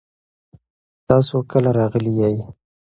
تاسو کله راغلي یئ؟